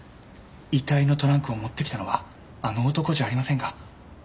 遺体のトランクを持ってきたのはあの男じゃありませんか？